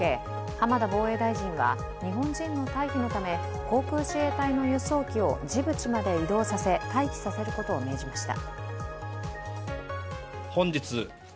浜田防衛大臣は日本人の退避のため航空自衛隊の輸送機をジブチまで移動させ待機させることを命じました。